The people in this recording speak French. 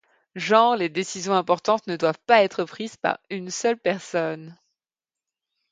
Genre les décisions importantes ne doivent pas être prises par une seule personne…